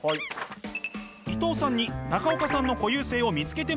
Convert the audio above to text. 伊藤さんに中岡さんの固有性を見つけてもらいます。